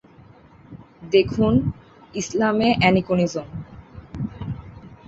দেখুন: ইসলামে অ্যানিকোনিজম।